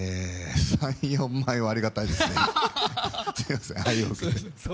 ３４枚はありがたいですね。